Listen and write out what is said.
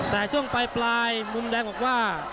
แต่ช่วงปลายมุมแดงบอกว่า